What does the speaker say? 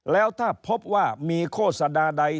แล้วถ้าพบว่ามีโฆษณาใด